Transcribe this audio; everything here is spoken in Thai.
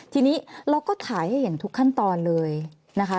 ทีนี้เราก็ถ่ายให้เห็นทุกขั้นตอนเลยนะคะ